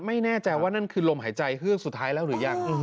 ไม่แน่ใจว่านั่นคือลมหายใจเฮือกสุดท้ายแล้วหรือยัง